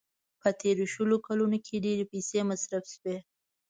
په تېرو شلو کلونو کې ډېرې پيسې مصرف شوې.